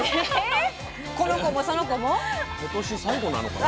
今年最後なのかな？